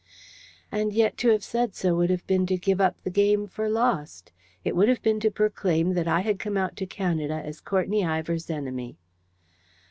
And yet, to have said so would have been to give up the game for lost. It would have been to proclaim that I had come out to Canada as Courtenay Ivor's enemy.